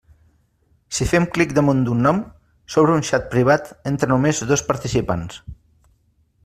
Si fem clic damunt d'un nom, s'obre un xat privat entre només dos participants.